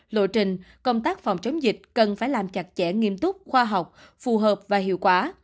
lộ trình công tác phòng chống dịch cần phải làm chặt chẽ nghiêm túc khoa học phù hợp và hiệu quả